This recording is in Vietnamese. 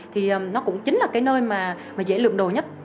thì nó cũng chính là cái nơi mà dễ lượm đồ nhất